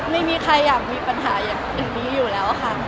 ไม่มีใครอยากมีปัญหาอย่างนี้อยู่แล้วค่ะ